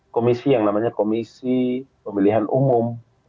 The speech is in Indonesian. komisi yang namanya komisi pemilihan umum